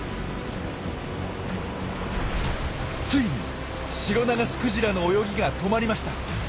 ついにシロナガスクジラの泳ぎが止まりました。